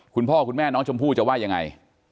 คุณพ่อคุณแม่น้องชมพู่จะว่ายังไง